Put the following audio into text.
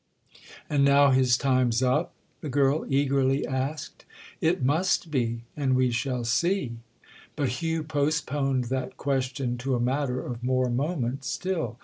"And now his time's up?" the girl eagerly asked. "It must be—and we shall see." But Hugh postponed that question to a matter of more moment still.